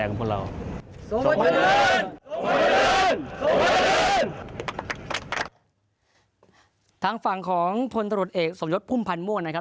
ทางฝั่งของพลตรวจเอกสมยศพุ่มพันธ์ม่วงนะครับ